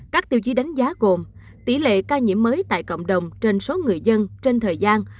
các tiêu chí đánh giá gồm tỷ lệ ca nhiễm mới tại cộng đồng trên số người dân trên thời gian